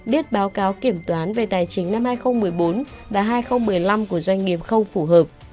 biết báo cáo kiểm toán về tài chính năm hai nghìn một mươi bốn và hai nghìn một mươi năm của doanh nghiệp không phù hợp